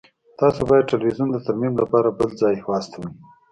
تاسو باید تلویزیون د ترمیم لپاره بل ځای ته واستوئ